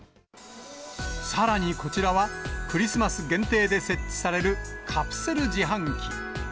さらにこちらは、クリスマス限定で設置されるカプセル自販機。